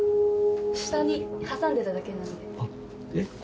下に挟んでただけなんで。